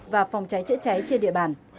và phòng cháy chữa cháy trên địa bàn